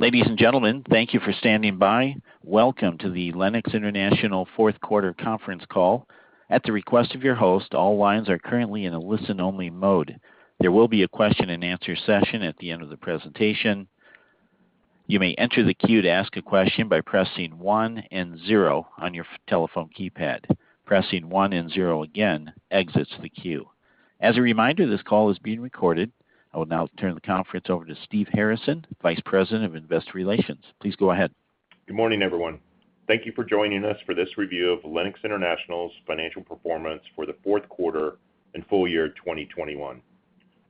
Ladies and gentlemen, thank you for standing by. Welcome to the Lennox International Q4 conference call. At the request of your host, all lines are currently in a listen-only mode. There will be a question-and-answer session at the end of the presentation. You may enter the queue to ask a question by pressing one and zero on your telephone keypad. Pressing one and zero again exits the queue. As a reminder, this call is being recorded. I will now turn the conference over to Steve Harrison, Vice President of Investor Relations. Please go ahead. Good morning, everyone. Thank you for joining us for this review of Lennox International's financial performance for the Q4 and full year 2021.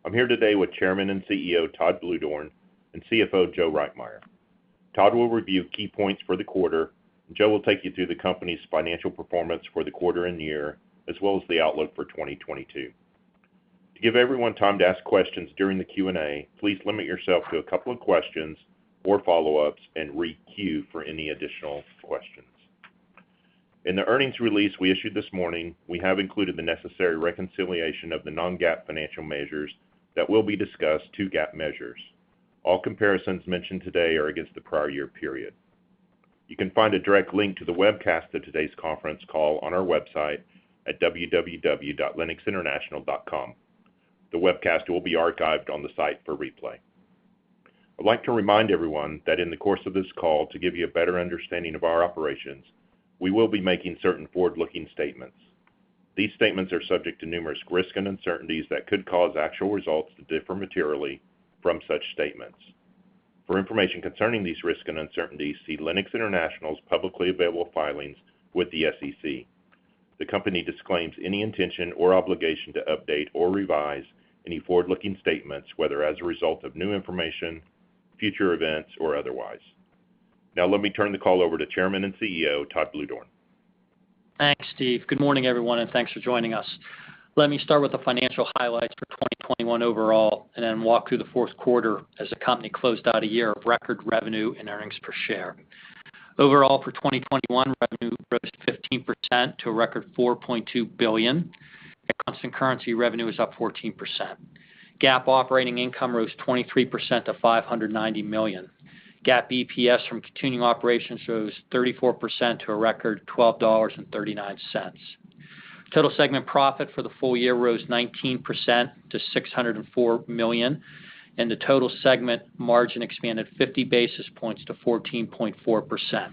I'm here today with Chairman and CEO, Todd Bluedorn, and CFO, Joe Reitmeier. Todd will review key points for the quarter. Joe will take you through the company's financial performance for the quarter and year, as well as the outlook for 2022. To give everyone time to ask questions during the Q&A, please limit yourself to a couple of questions or follow-ups and re-queue for any additional questions. In the earnings release we issued this morning, we have included the necessary reconciliation of the non-GAAP financial measures that will be discussed to GAAP measures. All comparisons mentioned today are against the prior year period. You can find a direct link to the webcast of today's conference call on our website at www.lennoxinternational.com. The webcast will be archived on the site for replay. I'd like to remind everyone that in the course of this call, to give you a better understanding of our operations, we will be making certain forward-looking statements. These statements are subject to numerous risks and uncertainties that could cause actual results to differ materially from such statements. For information concerning these risks and uncertainties, see Lennox International's publicly available filings with the SEC. The company disclaims any intention or obligation to update or revise any forward-looking statements, whether as a result of new information, future events, or otherwise. Now, let me turn the call over to Chairman and CEO, Todd Bluedorn. Thanks, Steve. Good morning, everyone, and thanks for joining us. Let me start with the financial highlights for 2021 overall and then walk through the Q4 as the company closed out a year of record revenue and earnings per share. Overall, for 2021, revenue rose 15% to a record $4.2 billion. At constant currency, revenue is up 14%. GAAP operating income rose 23% to $590 million. GAAP EPS from continuing operations rose 34% to a record $12.39. Total segment profit for the full year rose 19% to $604 million, and the total segment margin expanded 50 basis points to 14.4%.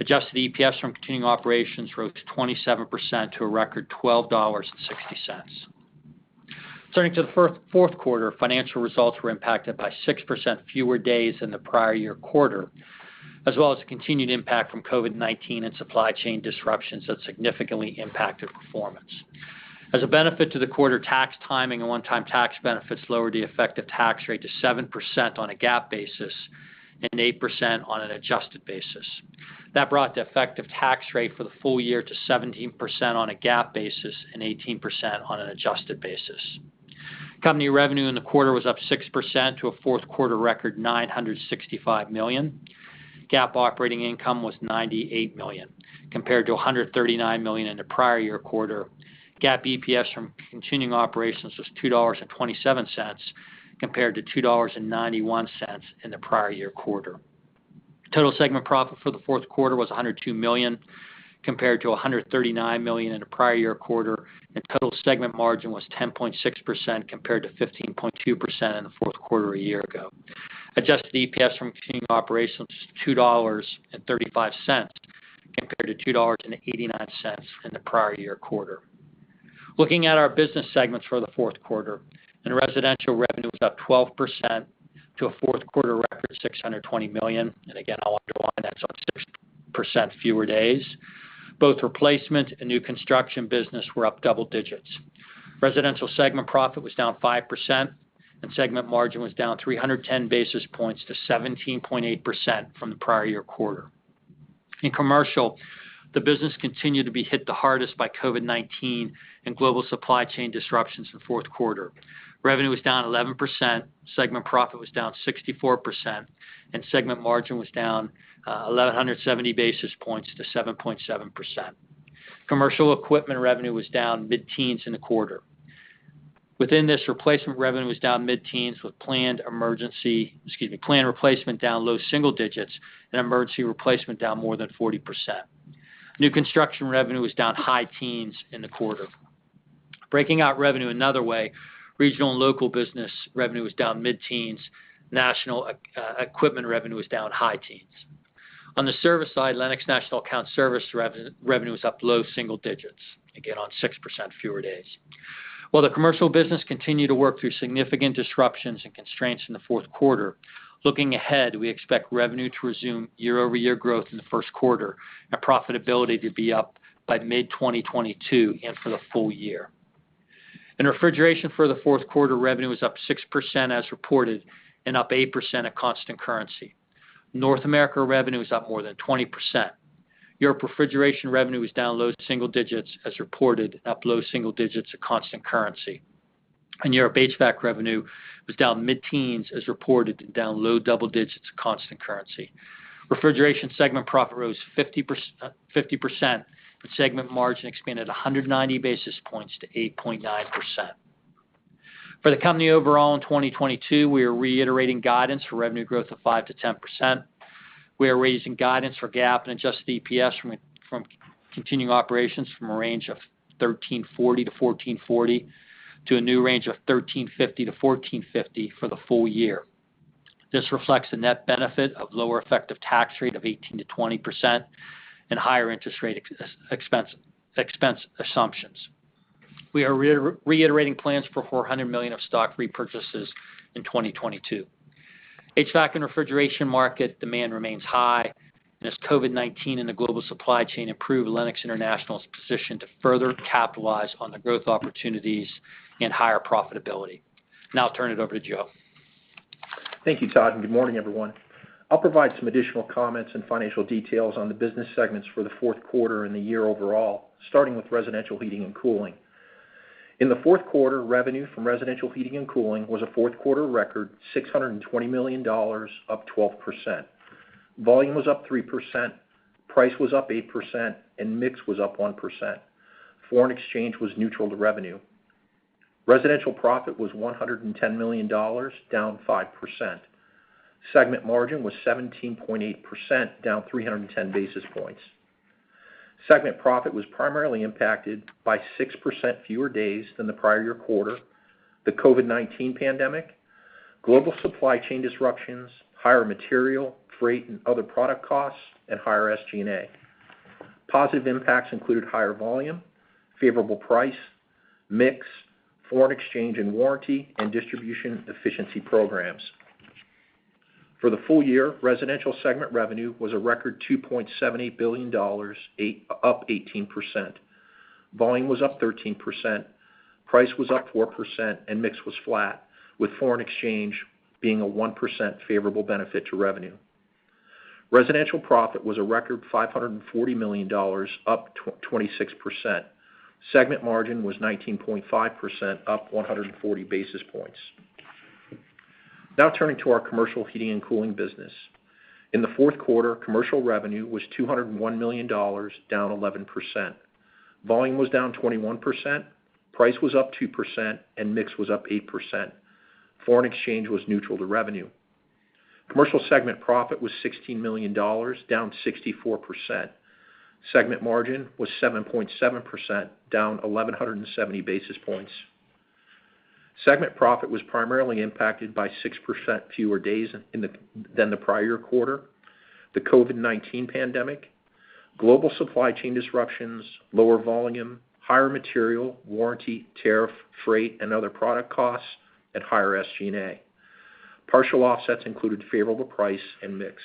Adjusted EPS from continuing operations rose 27% to a record $12.60. Turning to the Q4, financial results were impacted by 6% fewer days than the prior year quarter, as well as the continued impact from COVID-19 and supply chain disruptions that significantly impacted performance. As a benefit to the quarter, tax timing and one-time tax benefits lowered the effective tax rate to 7% on a GAAP basis and 8% on an adjusted basis. That brought the effective tax rate for the full year to 17% on a GAAP basis and 18% on an adjusted basis. Company revenue in the quarter was up 6% to a Q4 record $965 million. GAAP operating income was $98 million compared to $139 million in the prior year quarter. GAAP EPS from continuing operations was $2.27 compared to $2.91 in the prior year quarter. Total segment profit for the Q4 was $102 million compared to $139 million in the prior year quarter, and total segment margin was 10.6% compared to 15.2% in the Q4 a year ago. Adjusted EPS from continuing operations was $2.35 compared to $2.89 in the prior year quarter. Looking at our business segments for the Q4, in residential revenue was up 12% to a Q4 record $620 million. Again, I'll underline that's on 6% fewer days. Both replacement and new construction business were up double digits. Residential segment profit was down 5%, and segment margin was down 310 basis points to 17.8% from the prior year quarter. In Commercial, the business continued to be hit the hardest by COVID-19 and global supply chain disruptions in the Q4. Revenue was down 11%, segment profit was down 64%, and segment margin was down 1,170 basis points to 7.7%. Commercial equipment revenue was down mid-teens in the quarter. Within this, replacement revenue was down mid-teens with planned replacement down low single digits and emergency replacement down more than 40%. New construction revenue was down high teens in the quarter. Breaking out revenue another way, regional and local business revenue was down mid-teens. National equipment revenue was down high teens. On the service side, Lennox National Account Services revenue was up low single digits, again on 6% fewer days. While the commercial business continued to work through significant disruptions and constraints in the Q4, looking ahead, we expect revenue to resume year-over-year growth in the Q1 and profitability to be up by mid-2022 and for the full year. In refrigeration for the Q4, revenue was up 6% as reported and up 8% at constant currency. North America revenue was up more than 20%. Europe refrigeration revenue was down low single digits as reported, up low single digits at constant currency. Europe HVAC revenue was down mid-teens as reported and down low double digits at constant currency. Refrigeration segment profit rose 50%, with segment margin expanded 190 basis points to 8.9%. For the company overall in 2022, we are reiterating guidance for revenue growth of 5%-10%. We are raising guidance for GAAP and adjusted EPS from continuing operations from a range of $13.40-$14.40 to a new range of $13.50-$14.50 for the full year. This reflects the net benefit of lower effective tax rate of 18%-20% and higher interest rate expense assumptions. We are reiterating plans for $400 million of stock repurchases in 2022. HVAC and refrigeration market demand remains high, and as COVID-19 and the global supply chain improve Lennox International's position to further capitalize on the growth opportunities and higher profitability. Now I'll turn it over to Joe. Thank you, Todd, and good morning, everyone. I'll provide some additional comments and financial details on the business segments for the Q4 and the year overall, starting with Residential Heating and Cooling. In the Q4, revenue from Residential Heating and Cooling was a Q4 record, $620 million, up 12%. Volume was up 3%, price was up 8%, and mix was up 1%. Foreign exchange was neutral to revenue. Residential profit was $110 million, down 5%. Segment margin was 17.8%, down 310 basis points. Segment profit was primarily impacted by 6% fewer days than the prior year quarter, the COVID-19 pandemic, global supply chain disruptions, higher material, freight, and other product costs, and higher SG&A. Positive impacts included higher volume, favorable price, mix, foreign exchange and warranty, and distribution efficiency programs. For the full year, Residential segment revenue was a record $2.78 billion, up 18%. Volume was up 13%, price was up 4%, and mix was flat, with foreign exchange being a 1% favorable benefit to revenue. Residential profit was a record $540 million, up 26%. Segment margin was 19.5%, up 140 basis points. Now turning to our Commercial heating and cooling business. In the Q4, Commercial revenue was $201 million, down 11%. Volume was down 21%, price was up 2%, and mix was up 8%. Foreign exchange was neutral to revenue. Commercial segment profit was $16 million, down 64%. Segment margin was 7.7%, down 1,170 basis points. Segment profit was primarily impacted by 6% fewer days than the prior quarter, the COVID-19 pandemic, global supply chain disruptions, lower volume, higher material, warranty, tariff, freight, and other product costs, and higher SG&A. Partial offsets included favorable price and mix.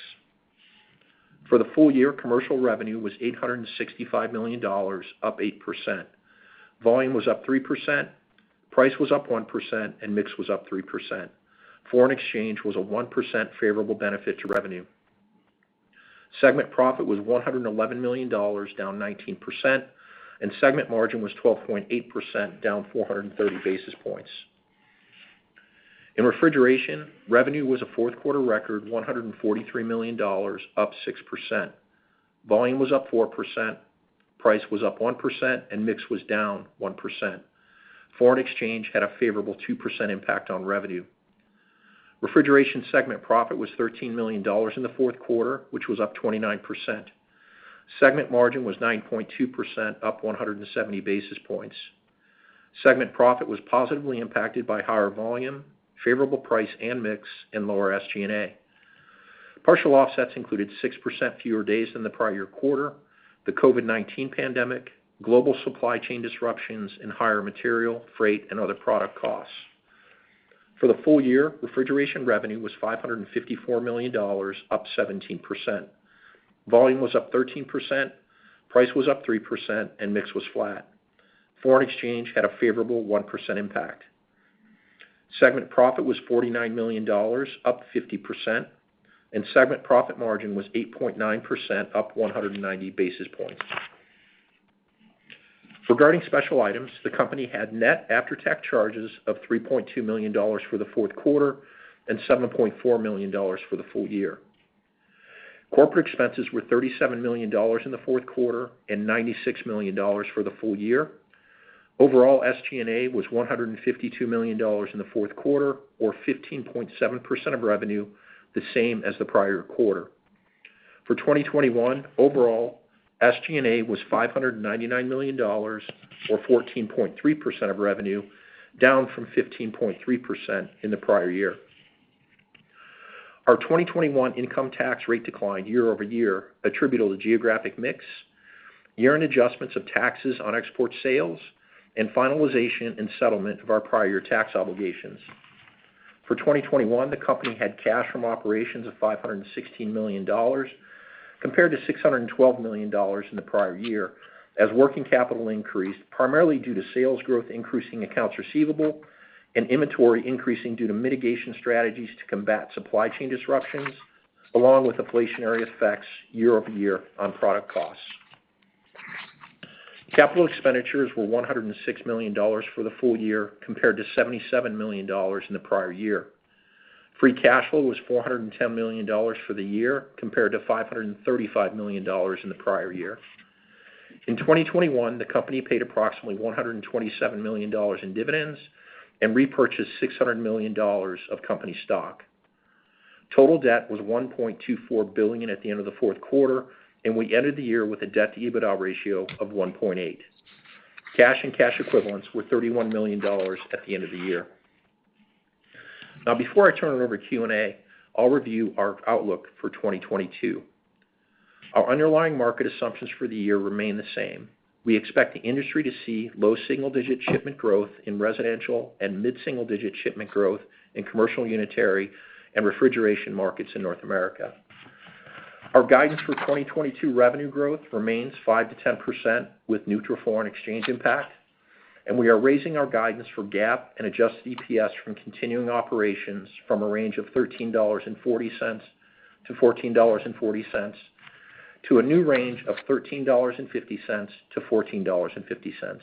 For the full year, Commercial revenue was $865 million, up 8%. Volume was up 3%, price was up 1%, and mix was up 3%. Foreign exchange was a 1% favorable benefit to revenue. Segment profit was $111 million, down 19%, and segment margin was 12.8%, down 430 basis points. In Refrigeration, revenue was a Q4 record, $143 million, up 6%. Volume was up 4%, price was up 1%, and mix was down 1%. Foreign exchange had a favorable 2% impact on revenue. Refrigeration segment profit was $13 million in the Q4, which was up 29%. Segment margin was 9.2%, up 170 basis points. Segment profit was positively impacted by higher volume, favorable price and mix, and lower SG&A. Partial offsets included 6% fewer days than the prior year quarter, the COVID-19 pandemic, global supply chain disruptions and higher material, freight, and other product costs. For the full year, refrigeration revenue was $554 million, up 17%. Volume was up 13%, price was up 3%, and mix was flat. Foreign exchange had a favorable 1% impact. Segment profit was $49 million, up 50%, and segment profit margin was 8.9%, up 190 basis points. Regarding special items, the company had net after-tax charges of $3.2 million for the Q4 and $7.4 million for the full year. Corporate expenses were $37 million in the Q4 and $96 million for the full year. Overall, SG&A was $152 million in the Q4 or 15.7% of revenue, the same as the prior quarter. For 2021, overall, SG&A was $599 million or 14.3% of revenue, down from 15.3% in the prior year. Our 2021 income tax rate declined year over year, attributable to geographic mix, year-end adjustments of taxes on export sales, and finalization and settlement of our prior tax obligations. For 2021, the company had cash from operations of $516 million compared to $612 million in the prior year as working capital increased, primarily due to sales growth increasing accounts receivable and inventory increasing due to mitigation strategies to combat supply chain disruptions, along with inflationary effects year-over-year on product costs. Capital expenditures were $106 million for the full year compared to $77 million in the prior year. Free cash flow was $410 million for the year compared to $535 million in the prior year. In 2021, the company paid approximately $127 million in dividends and repurchased $600 million of company stock. Total debt was $1.24 billion at the end of the Q4, and we ended the year with a debt-to-EBITDA ratio of 1.8. Cash and cash equivalents were $31 million at the end of the year. Now, before I turn it over to Q&A, I'll review our outlook for 2022. Our underlying market assumptions for the year remain the same. We expect the industry to see low single-digit shipment growth in residential and mid-single digit shipment growth in commercial unitary and refrigeration markets in North America. Our guidance for 2022 revenue growth remains 5%-10% with neutral foreign exchange impact, and we are raising our guidance for GAAP and adjusted EPS from continuing operations from a range of $13.40-$14.40 to a new range of $13.50-$14.50.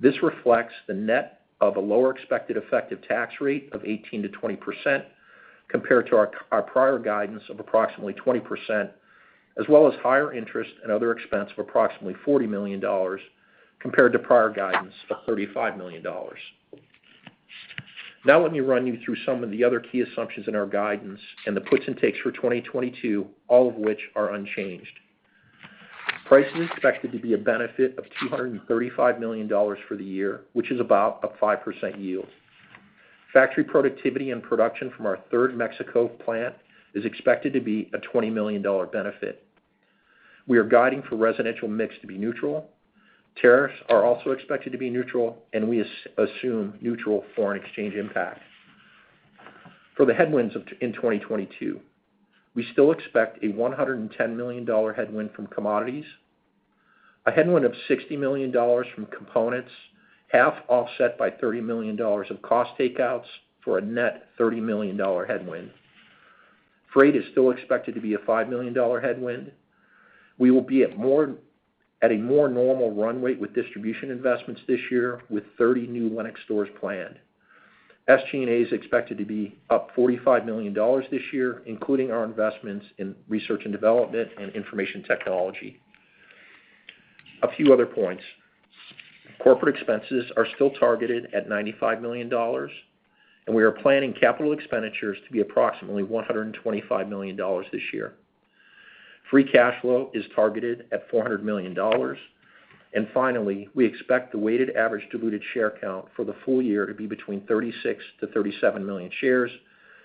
This reflects the net of a lower expected effective tax rate of 18%-20% compared to our prior guidance of approximately 20%, as well as higher interest and other expense of approximately $40 million compared to prior guidance of $35 million. Now let me run you through some of the other key assumptions in our guidance and the puts and takes for 2022, all of which are unchanged. Price is expected to be a benefit of $235 million for the year, which is about a 5% yield. Factory productivity and production from our third Mexico plant is expected to be a $20 million benefit. We are guiding for residential mix to be neutral. Tariffs are also expected to be neutral, and we assume neutral foreign exchange impact. For the headwinds in 2022, we still expect a $110 million headwind from commodities, a headwind of $60 million from components, half offset by $30 million of cost takeouts for a net $30 million headwind. Freight is still expected to be a $5 million headwind. We will be at a more normal run rate with distribution investments this year with 30 new Lennox stores planned. SG&A is expected to be up $45 million this year, including our investments in research and development and information technology. A few other points. Corporate expenses are still targeted at $95 million, and we are planning capital expenditures to be approximately $125 million this year. Free cash flow is targeted at $400 million. Finally, we expect the weighted average diluted share count for the full year to be between 36 to 37 million shares,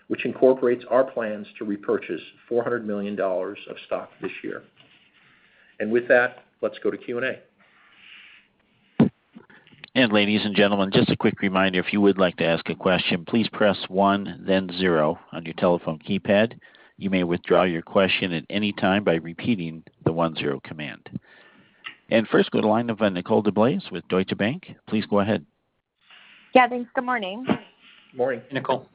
which incorporates our plans to repurchase $400 million of stock this year. With that, let's go to Q&A. Ladies and gentlemen, just a quick reminder, if you would like to ask a question, please press one then zero on your telephone keypad. You may withdraw your question at any time by repeating the one-zero command. First, go to line of Nicole DeBlase with Deutsche Bank. Please go ahead. Yeah. Thanks. Good morning. Morning, Nicole.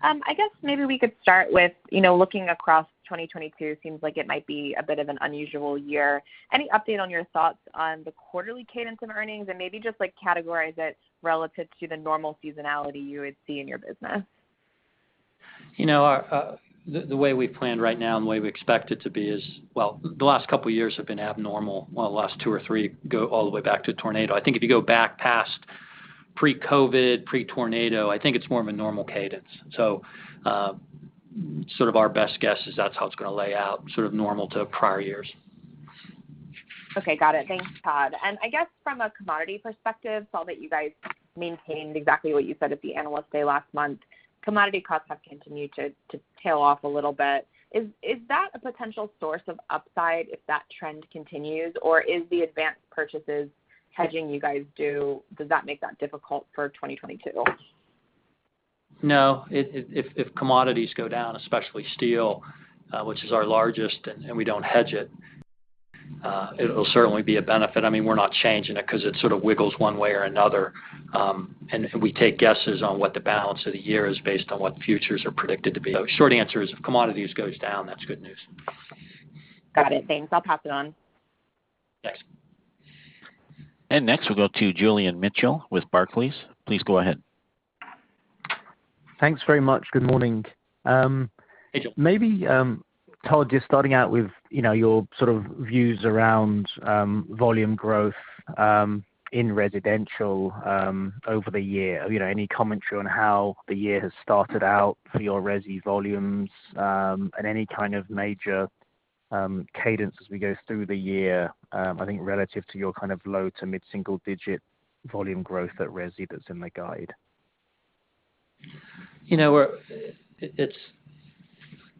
I guess maybe we could start with, you know, looking across 2022, seems like it might be a bit of an unusual year. Any update on your thoughts on the quarterly cadence and earnings? Maybe just like categorize it relative to the normal seasonality you would see in your business. You know, the way we plan right now and the way we expect it to be is. Well, the last couple of years have been abnormal. Well, the last two or three go all the way back to tornado. I think if you go back past pre-COVID, pre-tornado, I think it's more of a normal cadence. Our best guess is that's how it's gonna lay out, sort of normal to prior years. Okay. Got it. Thanks, Todd. I guess from a commodity perspective, I saw that you guys maintained exactly what you said at the Analyst Day last month. Commodity costs have continued to tail off a little bit. Is that a potential source of upside if that trend continues? Or is the advanced purchases hedging you guys do, does that make that difficult for 2022? No. If commodities go down, especially steel, which is our largest and we don't hedge it'll certainly be a benefit. I mean, we're not changing it 'cause it sort of wiggles one way or another. We take guesses on what the balance of the year is based on what the futures are predicted to be. Short answer is, if commodities goes down, that's good news. Got it. Thanks. I'll pass it on. Thanks. Next, we'll go to Julian Mitchell with Barclays. Please go ahead. Thanks very much. Good morning. Hey, Julian. Maybe, Todd, just starting out with, you know, your sort of views around, volume growth, in residential, over the year. You know, any commentary on how the year has started out for your resi volumes, and any kind of major, cadence as we go through the year, I think relative to your kind of low to mid-single digit volume growth at resi that's in the guide. You know,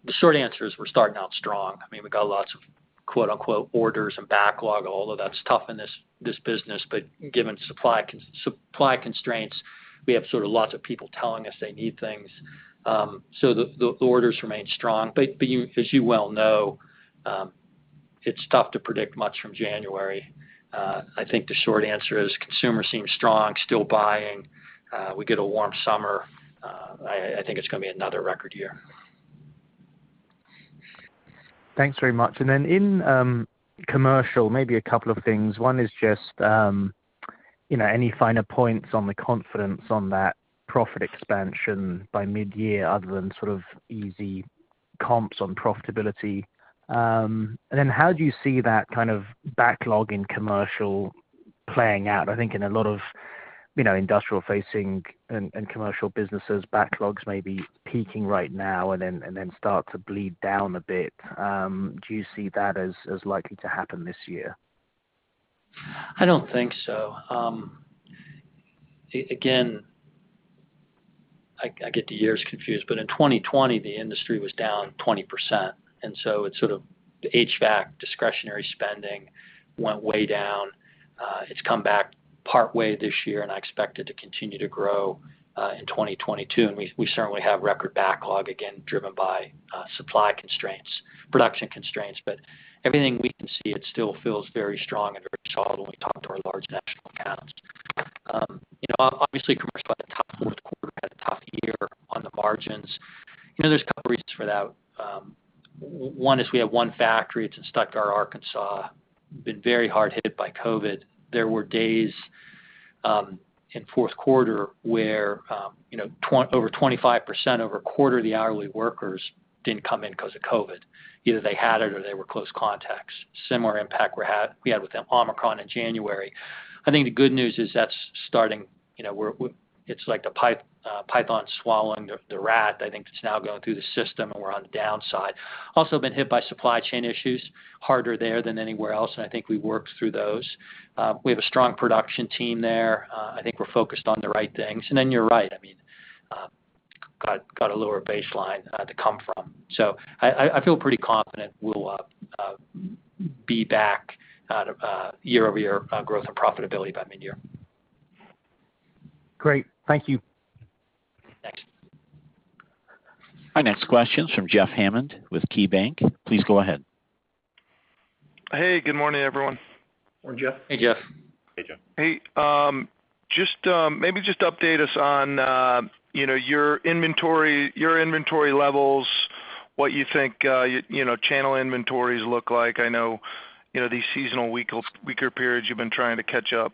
the short answer is we're starting out strong. I mean, we've got lots of quote-unquote orders and backlog, although that's tough in this business. Given supply constraints, we have sort of lots of people telling us they need things. The orders remain strong. You, as you well know, it's tough to predict much from January. I think the short answer is consumers seem strong, still buying. We get a warm summer, I think it's gonna be another record year. Thanks very much. In commercial, maybe a couple of things. One is just, you know, any finer points on the confidence on that profit expansion by midyear other than sort of easy comps on profitability? How do you see that kind of backlog in commercial playing out? I think in a lot of, you know, industrial facing and commercial businesses, backlogs may be peaking right now and then start to bleed down a bit. Do you see that as likely to happen this year? I don't think so. Again, I get the years confused, but in 2020, the industry was down 20%, and so it sort of, the HVAC discretionary spending went way down. It's come back partway this year, and I expect it to continue to grow in 2022. We certainly have record backlog, again driven by supply constraints, production constraints. Everything we can see, it still feels very strong and very solid when we talk to our large national accounts. You know, obviously commercial had a tough Q4, had a tough year on the margins. You know, there's a couple reasons for that. One is we have one factory, it's in Stuttgart, Arkansas. It has been very hard hit by COVID. There were days in Q4 where, you know, over 25%, over a quarter of the hourly workers didn't come in 'cause of COVID. Either they had it or they were close contacts. Similar impact we had with Omicron in January. I think the good news is that's starting. You know, we're—it's like a python swallowing the rat. I think it's now going through the system, and we're on the downside. We've also been hit by supply chain issues, harder there than anywhere else, and I think we worked through those. We have a strong production team there. I think we're focused on the right things. You're right, I mean, we've got a lower baseline to come from. I feel pretty confident we'll be back at year-over-year growth and profitability by midyear. Great. Thank you. Thanks. Our next question is from Jeff Hammond with KeyBanc. Please go ahead. Hey, good morning, everyone. Morning, Jeff. Hey, Jeff. Hey, Jeff. Hey. Just, maybe just update us on, you know, your inventory levels, what you think, you know, channel inventories look like. I know, you know, these seasonal weaker periods you've been trying to catch up.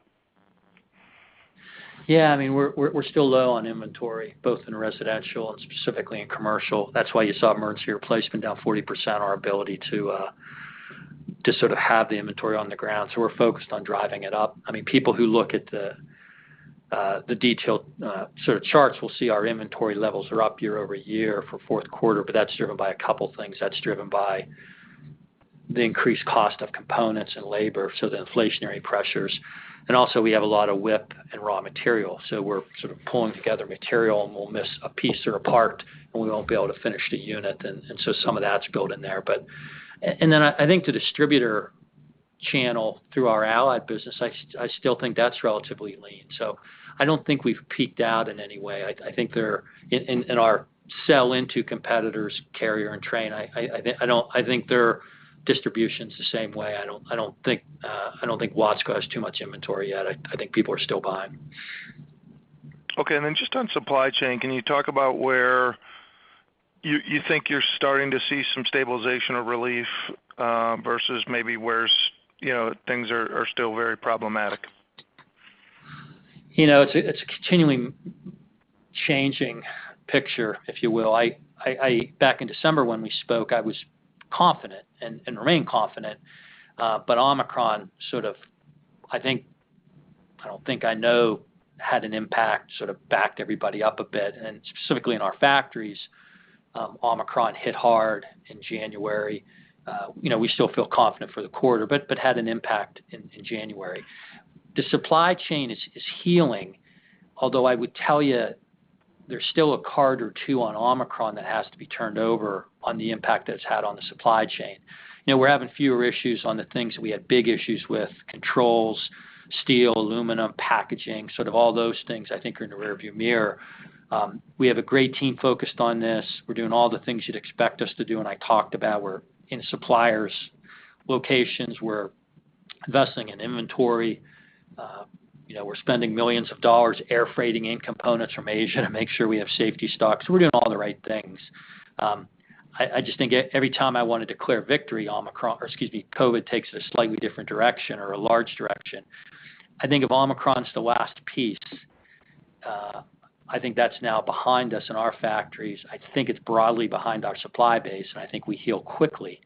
Yeah. I mean, we're still low on inventory, both in residential and specifically in commercial. That's why you saw emergency replacement down 40%, our ability to sort of have the inventory on the ground. We're focused on driving it up. I mean, people who look at the detailed sort of charts will see our inventory levels are up year-over-year for Q4, but that's driven by a couple things. That's driven by the increased cost of components and labor, so the inflationary pressures, and also we have a lot of WIP and raw material. We're sort of pulling together material, and we'll miss a piece or a part, and we won't be able to finish the unit. Some of that's built in there. But I think the distributor channel through our Allied business. I still think that's relatively lean. I don't think we've peaked out in any way. I think they're in our sell into competitors, Carrier and Trane. I think their distribution's the same way. I don't think Watsco has too much inventory yet. I think people are still buying. Okay. Just on supply chain, can you talk about where you think you're starting to see some stabilization or relief, versus maybe where's, you know, things are still very problematic? You know, it's a continually changing picture, if you will. Back in December when we spoke, I was confident and remain confident, but Omicron sort of, I know had an impact, sort of backed everybody up a bit. Specifically in our factories, Omicron hit hard in January. You know, we still feel confident for the quarter, but had an impact in January. The supply chain is healing, although I would tell you there's still a card or two on Omicron that has to be turned over on the impact that it's had on the supply chain. You know, we're having fewer issues on the things we had big issues with, controls, steel, aluminum, packaging, sort of all those things I think are in the rearview mirror. We have a great team focused on this. We're doing all the things you'd expect us to do and I talked about. We're in suppliers' locations. We're investing in inventory. You know, we're spending millions of dollars air freighting in components from Asia to make sure we have safety stocks. We're doing all the right things. I just think every time I want to declare victory, Omicron or excuse me, COVID takes a slightly different direction or a large direction. I think if Omicron's the last piece, I think that's now behind us in our factories. I think it's broadly behind our supply base, and I think we heal quickly.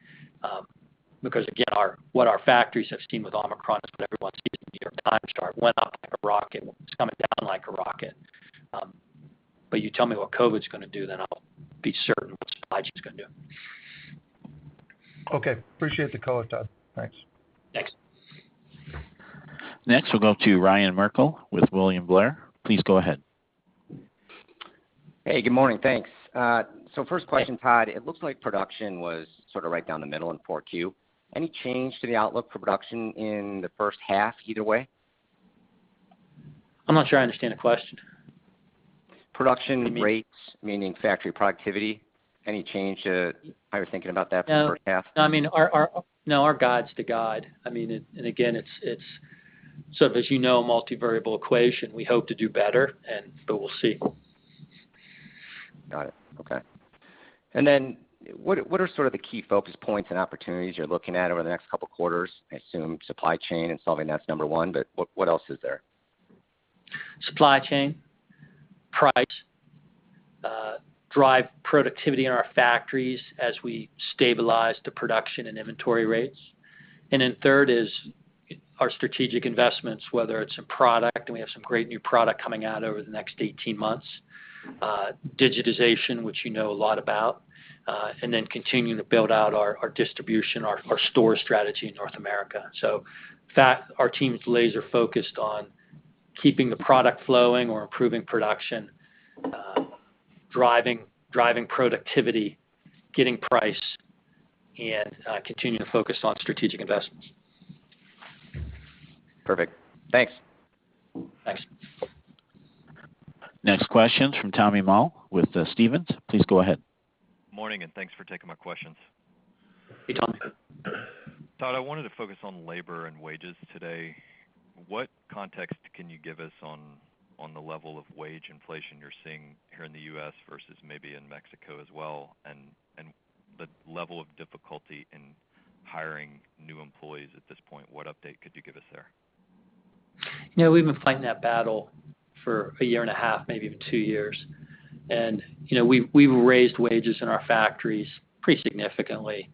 Because again, what our factories have seen with Omicron is what everyone's seen in New York Times story. It went up like a rocket. It's coming down like a rocket. You tell me what COVID's gonna do, then I'll be certain what supply chain's gonna do. Okay. Appreciate the color, Todd. Thanks. Thanks. Next, we'll go to Ryan Merkel with William Blair. Please go ahead. Hey, good morning. Thanks. First question, Todd. It looks like production was sort of right down the middle in Q4. Any change to the outlook for production in the first half either way? I'm not sure I understand the question. Production rates, meaning factory productivity. I was thinking about that for the first half. No. I mean, our guide's the guide. I mean, and again, it's sort of, as you know, a multivariable equation. We hope to do better, but we'll see. Got it. Okay. What are sort of the key focus points and opportunities you're looking at over the next couple of quarters? I assume supply chain and solving that's number one, but what else is there? Supply chain, price, drive productivity in our factories as we stabilize the production and inventory rates. third is our strategic investments, whether it's a product, and we have some great new product coming out over the next 18 months, digitization, which you know a lot about, and then continuing to build out our distribution, our store strategy in North America. that our team is laser-focused on keeping the product flowing or improving production, driving productivity, getting price, and continuing to focus on strategic investments. Perfect. Thanks. Thanks. Next question from Tommy Moll with Stephens. Please go ahead. Morning, and thanks for taking my questions. Hey, Tommy. Todd, I wanted to focus on labor and wages today. What context can you give us on the level of wage inflation you're seeing here in the U.S. versus maybe in Mexico as well, and the level of difficulty in hiring new employees at this point? What update could you give us there? You know, we've been fighting that battle for a year and a half, maybe even two years. You know, we've raised wages in our factories pretty significantly,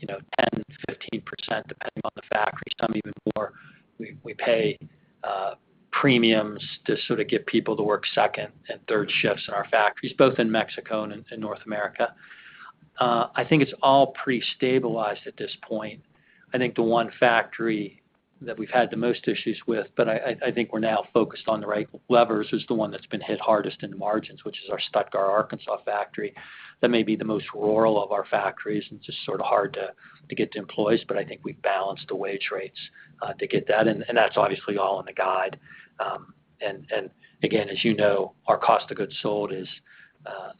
you know, 10, 15%, depending on the factory, some even more. We pay premiums to sort of get people to work second and third shifts in our factories, both in Mexico and in North America. I think it's all pretty stabilized at this point. I think the one factory that we've had the most issues with, but I think we're now focused on the right levers, is the one that's been hit hardest in the margins, which is our Stuttgart, Arkansas factory. That may be the most rural of our factories, and it's just sort of hard to get the employees. I think we've balanced the wage rates to get that. That's obviously all in the guide. Again, as you know, our cost of goods sold is,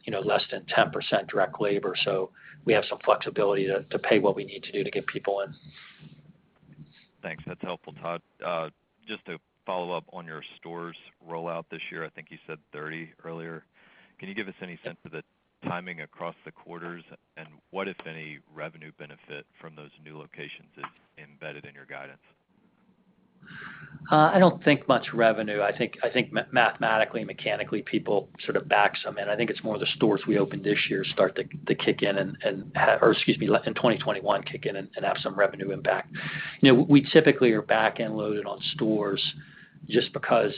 you know, less than 10% direct labor, so we have some flexibility to pay what we need to do to get people in. Thanks. That's helpful, Todd. Just to follow up on your stores rollout this year. I think you said 30 earlier. Can you give us any sense of the timing across the quarters and what, if any, revenue benefit from those new locations is embedded in your guidance? I don't think much revenue. I think mathematically and mechanically, people sort of back some in. I think it's more the stores we opened this year start to kick in and have some revenue impact. Or excuse me, in 2021, kick in and have some revenue impact. You know, we typically are back-end loaded on stores just because,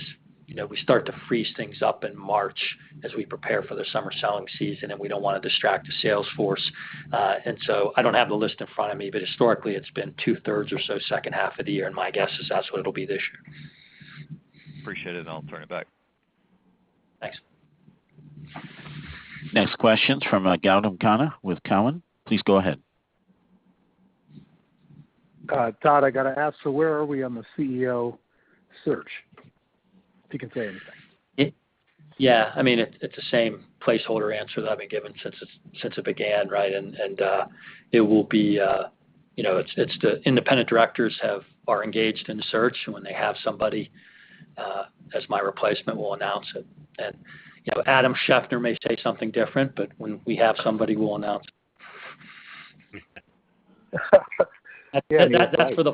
you know, we start to freeze things up in March as we prepare for the summer selling season, and we don't wanna distract the sales force. I don't have the list in front of me, but historically, it's been two-thirds or so second half of the year, and my guess is that's what it'll be this year. Appreciate it, and I'll turn it back. Thanks. Next question's from Gautam Khanna with Cowen. Please go ahead. Todd, I gotta ask, where are we on the CEO search, if you can say anything? Yeah. I mean, it's the same placeholder answer that I've been giving since it began, right? It will be, you know, it's the independent directors are engaged in the search. When they have somebody as my replacement, we'll announce it. You know, Adam Schefter may say something different, but when we have somebody, we'll announce. That's for the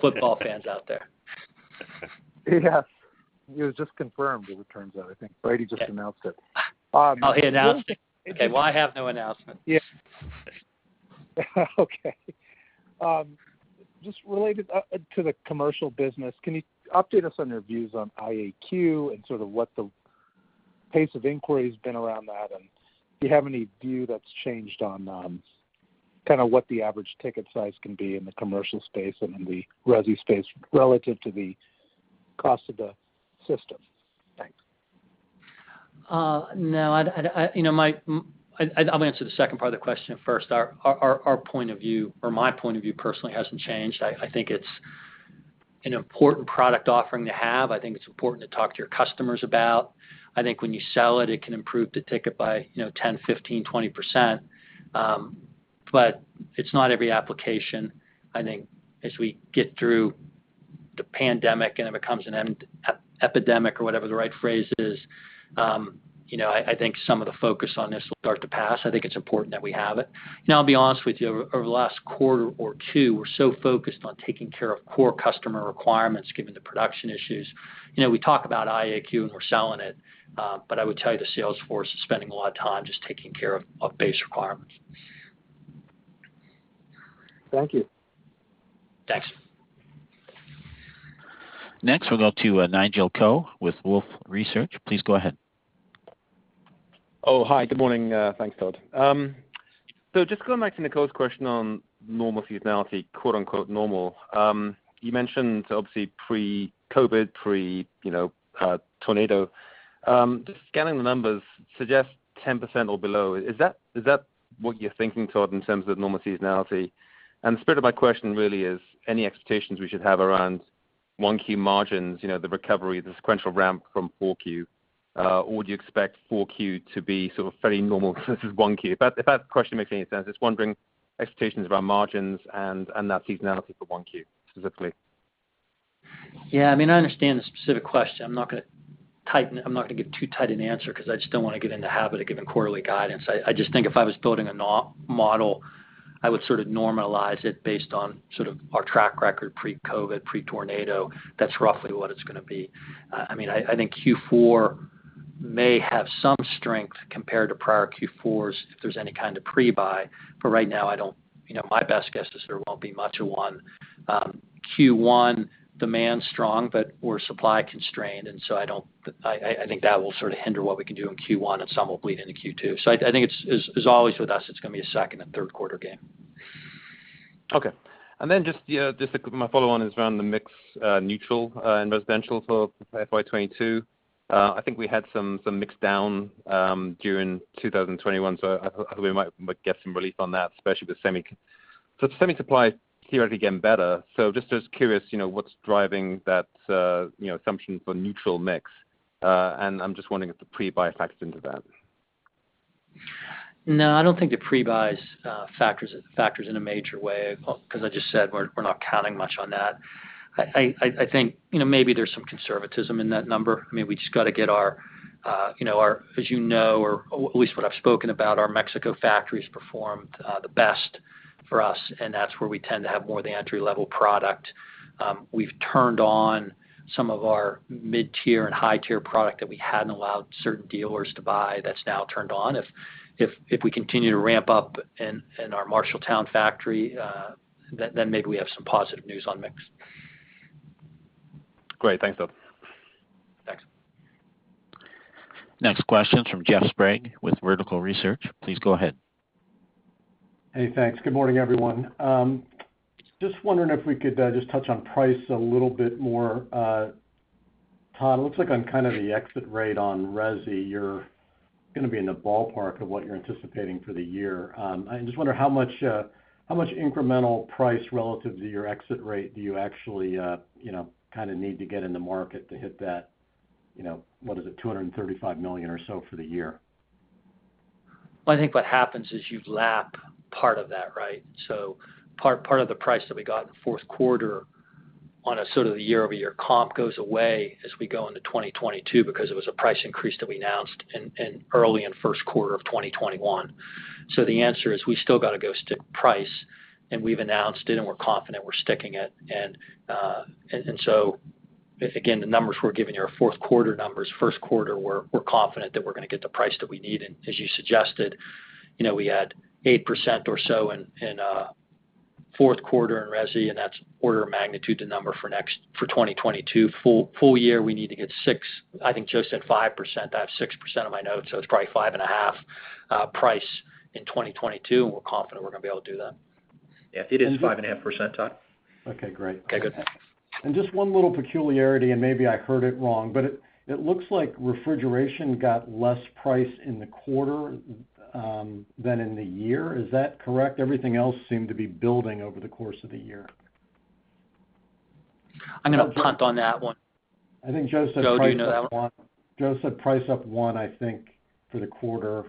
football fans out there. Yes. It was just confirmed, it turns out. I think Brady just announced it. Oh, he announced it? Okay. Well, I have no announcement. Yeah. Okay. Just related to the commercial business, can you update us on your views on IAQ and sort of what the pace of inquiry has been around that? Do you have any view that's changed on kinda what the average ticket size can be in the commercial space and in the resi space relative to the cost of the system? Thanks. No. I'll answer the second part of the question first. Our point of view or my point of view personally hasn't changed. I think it's an important product offering to have. I think it's important to talk to your customers about. I think when you sell it can improve the ticket by, you know, 10, 15, 20%. But it's not every application. I think as we get through the pandemic, and if it becomes an epidemic or whatever the right phrase is, you know, I think some of the focus on this will start to pass. I think it's important that we have it. You know, I'll be honest with you, over the last quarter or two, we're so focused on taking care of core customer requirements, given the production issues. You know, we talk about IAQ, and we're selling it, but I would tell you the sales force is spending a lot of time just taking care of base requirements. Thank you. Thanks. Next, we'll go to Nigel Coe with Wolfe Research. Please go ahead. Oh, hi. Good morning. Thanks, Todd. So just going back to Nicole's question on normal seasonality, quote-unquote, "normal." You mentioned obviously pre-COVID, pre, you know, tornado. Just scanning the numbers suggest 10% or below. Is that, is that what you're thinking, Todd, in terms of normal seasonality? The spirit of my question really is, any expectations we should have around Q1 margins, you know, the recovery, the sequential ramp from Q4? Or do you expect Q4 to be sort of very normal as Q1? If that question makes any sense. Just wondering expectations around margins and that seasonality for Q1 specifically. Yeah. I mean, I understand the specific question. I'm not gonna give too tight an answer because I just don't wanna get in the habit of giving quarterly guidance. I just think if I was building a model, I would sort of normalize it based on sort of our track record pre-COVID, pre-tornado. That's roughly what it's gonna be. I mean, I think Q4 may have some strength compared to prior Q4s if there's any kind of pre-buy. Right now I don't. You know, my best guess is there won't be much of one. Q1, demand's strong, but we're supply constrained, and so I think that will sort of hinder what we can do in Q1, and some will bleed into Q2. I think it's as always with us, it's gonna be a second and Q3 game. Okay. Just my follow-on is around the mix neutral in residential for FY 2022. I think we had some mix down during 2021, so I thought we might get some relief on that, especially with semi supply theoretically getting better, so just curious, you know, what's driving that assumption for neutral mix. I'm just wondering if the pre-buy factors into that. No, I don't think the pre-buys factors in a major way, well, because I just said we're not counting much on that. I think, you know, maybe there's some conservatism in that number. I mean, we just gotta get our, you know, as you know, or at least what I've spoken about, our Mexico factories performed the best for us, and that's where we tend to have more of the entry-level product. We've turned on some of our mid-tier and high-tier product that we hadn't allowed certain dealers to buy, that's now turned on. If we continue to ramp up in our Marshalltown factory, then maybe we have some positive news on mix. Great. Thanks, Todd. Thanks. Next question's from Jeff Sprague with Vertical Research. Please go ahead. Hey, thanks. Good morning, everyone. Just wondering if we could just touch on price a little bit more. Todd, looks like on kind of the exit rate on resi, you're gonna be in the ballpark of what you're anticipating for the year. I just wonder how much incremental price relative to your exit rate do you actually, you know, kind of need to get in the market to hit that, you know, what is it, $235 million or so for the year? I think what happens is you lap part of that, right? Part of the price that we got in the Q4 on a sort of a year-over-year comp goes away as we go into 2022 because it was a price increase that we announced in early Q1 of 2021. The answer is we still gotta go stick to price, and we've announced it, and we're confident we're sticking it. So if, again, the numbers we're giving you are Q4 numbers, Q1, we're confident that we're gonna get the price that we need. As you suggested, you know, we had 8% or so in Q4 in resi, and that's order of magnitude the number for 2022. Full year, we need to get 6%. I think Joe said 5%. I have 6% in my notes, so it's probably 5.5%, price in 2022, and we're confident we're gonna be able to do that. Yeah. It is 5.5%, Todd. Okay, great. Okay, good. Just one little peculiarity, and maybe I heard it wrong, but it looks like refrigeration got less price in the quarter than in the year. Is that correct? Everything else seemed to be building over the course of the year. I'm gonna punt on that one. I think Joe said price up one. Joe, do you know that one? Joe said price up 1%, I think, for the quarter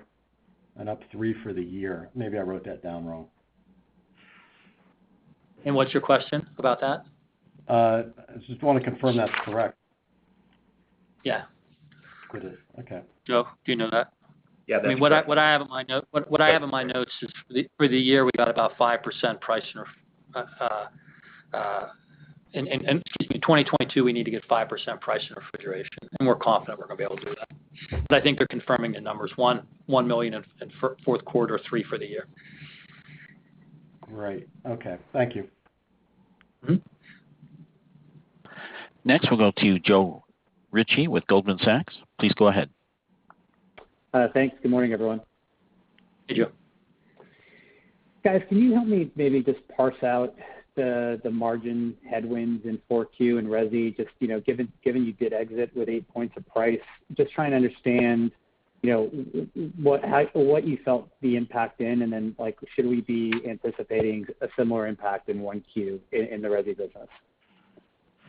and up 3% for the year. Maybe I wrote that down wrong. What's your question about that? I just want to confirm that's correct. Yeah. It is. Okay. Joe, do you know that? Yeah, that's correct. I mean, what I have in my notes is for the year, we got about 5% price in refrigeration, and excuse me, 2022, we need to get 5% price in refrigeration, and we're confident we're gonna be able to do that. But I think they're confirming the numbers, $1 million in Q4, $3 million for the year. Right. Okay. Thank you. Mm-hmm. Next, we'll go to Joe Ritchie with Goldman Sachs. Please go ahead. Thanks. Good morning, everyone. Hey, Joe. Guys, can you help me maybe just parse out the margin headwinds inQ4 and resi, just, you know, given you did exit with eight points of price. Just trying to understand, you know, what you felt the impact in, and then, like, should we be anticipating a similar impact in Q1 in the resi business? Well, you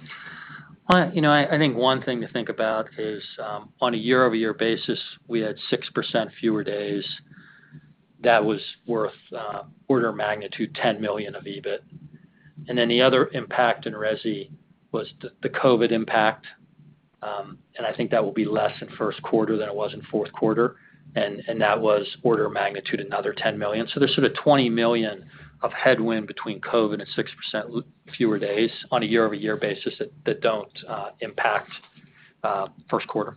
know, I think one thing to think about is, on a year-over-year basis, we had 6% fewer days. That was worth order of magnitude $10 million of EBIT. The other impact in resi was the COVID impact, and I think that will be less in Q1 than it was in Q4. That was order of magnitude another $10 million. There's sort of $20 million of headwind between COVID and 6% fewer days on a year-over-year basis that don't impact Q1.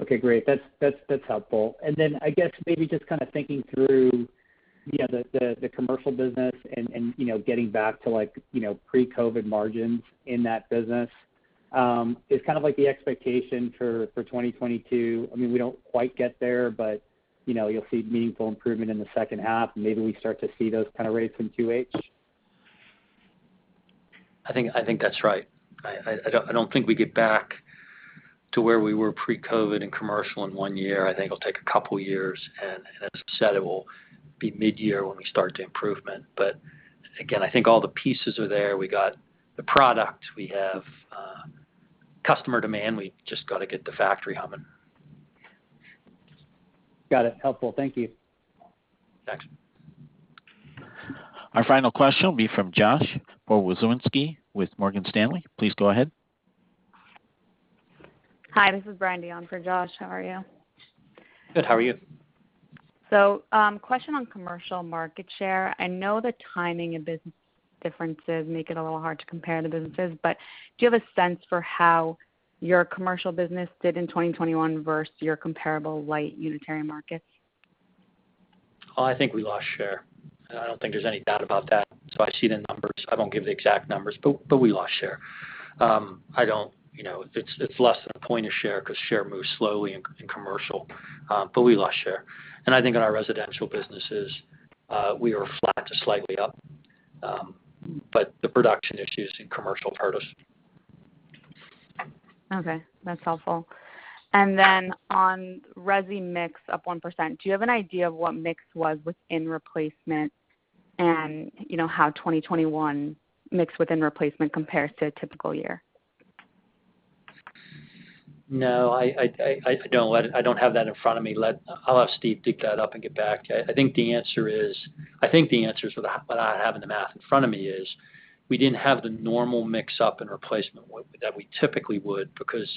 Okay, great. That's helpful. Then I guess maybe just kind of thinking through, you know, the commercial business and you know, getting back to like, you know, pre-COVID margins in that business. Is kind of like the expectation for 2022, I mean, we don't quite get there, but you know, you'll see meaningful improvement in the second half, and maybe we start to see those kind of rates in 2H? I think that's right. I don't think we get back to where we were pre-COVID in commercial in one year. I think it'll take a couple years. As I said, it will be mid-year when we start the improvement. Again, I think all the pieces are there. We got the product. We have customer demand. We just gotta get the factory humming. Got it. Helpful. Thank you. Thanks. Our final question will be from Josh Pokrzywinski with Morgan Stanley. Please go ahead. Hi, this is Breindy on for Josh. How are you? Good. How are you? Question on commercial market share. I know the timing and business differences make it a little hard to compare the businesses, but do you have a sense for how your commercial business did in 2021 versus your comparable light unitary markets? Oh, I think we lost share. I don't think there's any doubt about that. I see the numbers. I won't give the exact numbers, but we lost share. You know, it's less than a point of share 'cause share moves slowly in commercial, but we lost share. I think in our residential businesses, we were flat to slightly up. The production issues in commercial hurt us. Okay, that's helpful. On resi mix up 1%, do you have an idea of what mix was within replacement and, you know, how 2021 mix within replacement compares to a typical year? No, I don't. I don't have that in front of me. I'll have Steve dig that up and get back to you. I think the answer is, without having the math in front of me, is we didn't have the normal mix-up in replacement with that we typically would because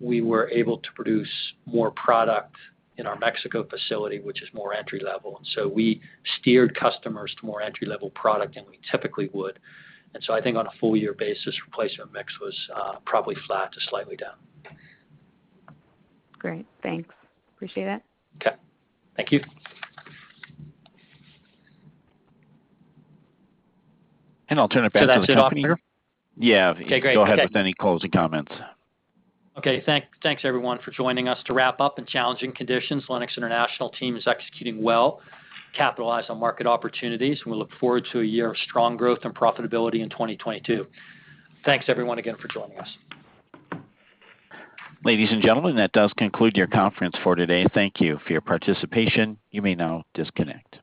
we were able to produce more product in our Mexico facility, which is more entry-level. We steered customers to more entry-level product than we typically would. I think on a full year basis, replacement mix was probably flat to slightly down. Great. Thanks. Appreciate it. Okay. Thank you. I'll turn it back to Steve. That's it on here? Yeah. Okay, great. Go ahead with any closing comments. Okay. Thanks everyone for joining us. To wrap up, in challenging conditions, Lennox International team is executing well to capitalize on market opportunities, and we look forward to a year of strong growth and profitability in 2022. Thanks everyone again for joining us. Ladies and gentlemen, that does conclude your conference for today. Thank you for your participation. You may now disconnect.